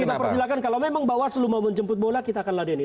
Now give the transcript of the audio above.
kita persilahkan kalau memang bawaslu mau menjemput bola kita akan ladeni